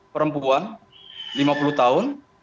perempuan lima puluh tahun